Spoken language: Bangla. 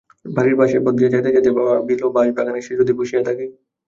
বাড়ির পাশের পথ দিয়া যাইতে যাইতে ভাবিল-বাঁশ-বাগানে সে যদি বসিয়া থাকে?